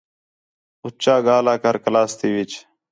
اُچّا ڳاہلا کر کلاس تی وِچ